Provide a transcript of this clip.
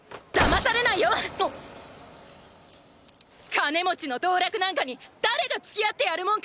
金持ちの道楽なんかに誰がつきあってやるもんか！